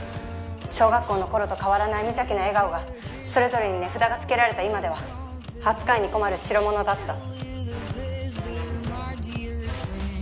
小学校の頃と変わらない無邪気な笑顔がそれぞれに値札がつけられた今では扱いに困るしろものだった。